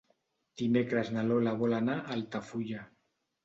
Dimecres na Lola vol anar a Altafulla.